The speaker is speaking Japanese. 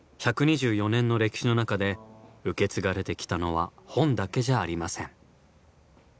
１２４年の歴史の中で受け継がれてきたのは本だけじゃありません。